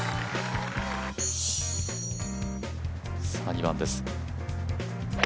２番です。